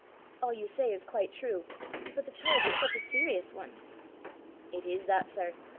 "All you say is quite true; but the charge is such a serious one!" "It is that, sir!